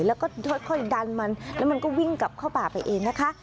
แล้วก็ค่อยดันมันแล้วมันก็วิ่งกลับเข้าป่าไปเองนะคะ